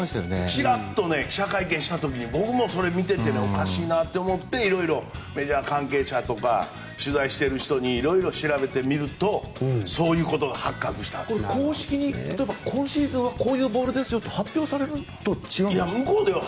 ちらっと記者会見した時に僕もそれ見てておかしいなって思っていろいろメジャー関係者とか取材している人にいろいろ調べてみるとそういうことが公式に今シーズンはこういうボールですよって発表されるわけじゃないんですか。